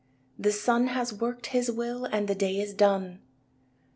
The sun has worked his will And the day is done.